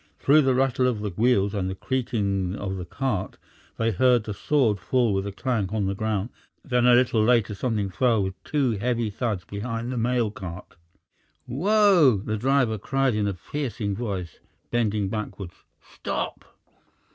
Through the rattle of the wheels and the creaking of the cart they heard the sword fall with a clank on the ground, then a little later something fell with two heavy thuds behind the mail cart. "Wo!" the driver cried in a piercing voice, bending backwards. "Stop!"